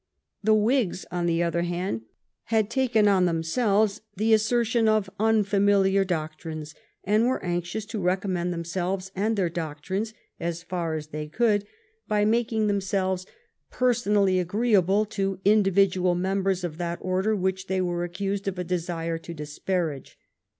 The Whigs, on the other hand, had taken on themselves the assertion of unfamiliar doctrines, and were anxious to recommend themselves and their doctrines, as far as they could, by making themselves personally agree able to individual members of that order which they 382 JONATHAN SWIFT'S VIEWS were accused of a desire to disparage.